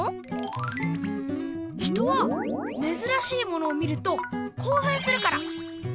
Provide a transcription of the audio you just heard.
うん人はめずらしいものを見るとこうふんするから！